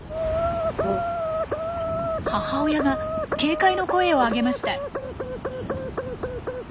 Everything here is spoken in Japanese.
母親が警戒の声を上げました。